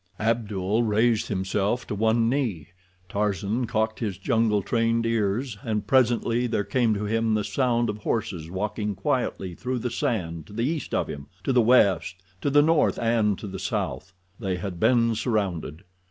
Abdul raised himself to one knee. Tarzan cocked his jungle trained ears, and presently there came to him the sound of horses walking quietly through the sand to the east of him, to the west, to the north, and to the south. They had been surrounded.